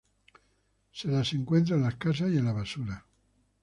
Se las encuentra en las casas y en la basura.